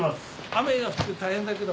雨が降って大変だけど。